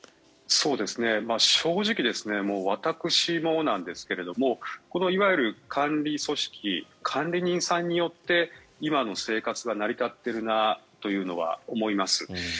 正直私もなんですがいわゆる管理組織管理人さんによって今の生活が成り立っているなというのは思います。